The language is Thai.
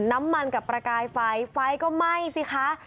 น้ำมันกับประกายไฟไฟก็ไหม้สิคะ